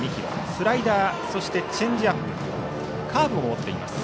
スライダーそしてチェンジアップカーブも持っています。